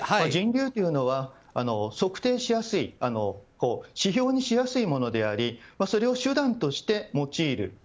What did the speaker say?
人流というのは測定しやすい指標にしやすいものでありそれを手段として用いる。